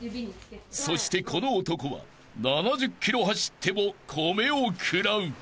［そしてこの男は７０ｋｍ走っても米を食らう］